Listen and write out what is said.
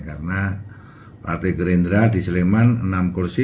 karena partai gerendra di sileman enam kursi